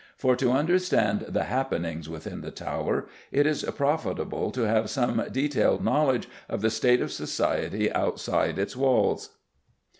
For, to understand the happenings within the Tower, it is profitable to have some detailed knowledge of the state of society outside its walls.